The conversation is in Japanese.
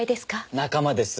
仲間です。